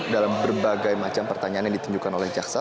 dalam berbagai macam pertanyaan yang ditunjukkan oleh jaksa